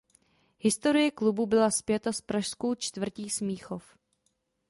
Historie klubu byla spjata s pražskou čtvrtí Smíchov.